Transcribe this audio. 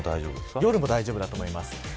夜も大丈夫だと思います。